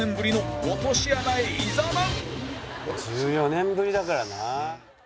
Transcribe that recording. １４年ぶりだからな。